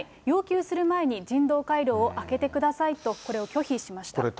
要求する前に人道回廊を開けてくださいと、これを拒否しました。